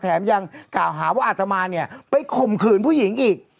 ยังกล่าวหาว่าอาตมาเนี่ยไปข่มขืนผู้หญิงอีก